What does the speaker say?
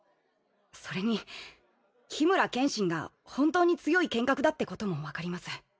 それに緋村剣心が本当に強い剣客だってことも分かります。